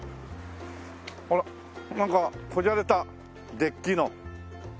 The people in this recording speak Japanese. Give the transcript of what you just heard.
あらなんかこじゃれたデッキの。